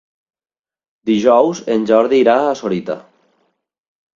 Dijous en Jordi irà a Sorita.